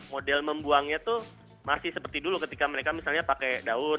model membuangnya tuh masih seperti dulu ketika mereka misalnya pakai daun